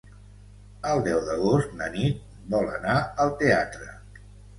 El deu d'agost na Nit vol anar al teatre.